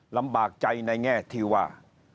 ลำบากใจในแง่ที่ว่า